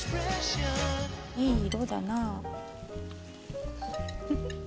いい色だなあ。